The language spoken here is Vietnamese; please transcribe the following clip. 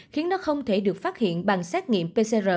khiến nó không thể được phát hiện bằng xét nghiệm pcr